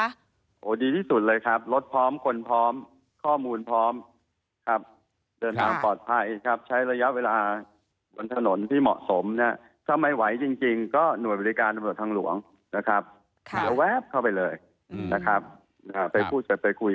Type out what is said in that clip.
โหดีที่สุดเลยครับรถพร้อมคนพร้อมข้อมูลพร้อมครับเดินทางปลอดภัยครับใช้ระยะเวลาบนถนนที่เหมาะสมเนี่ย